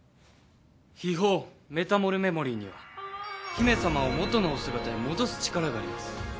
秘宝メタモルメモリーには姫様をもとのお姿に戻す力があります。